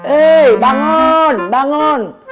eh bangun bangun